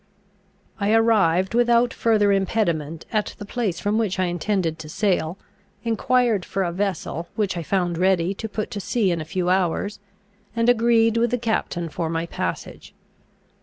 I arrived without further impediment at the place from which I intended to sail, enquired for a vessel, which I found ready to put to sea in a few hours, and agreed with the captain for my passage.